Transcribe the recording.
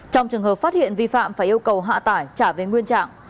trong trường hợp phát hiện vi phạm phải yêu cầu hạ tải trả về nguyên trạng